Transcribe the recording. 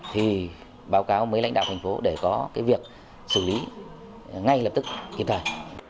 thì báo cáo với lãnh đạo thành phố để có cái việc xử lý ngay lập tức kịp thời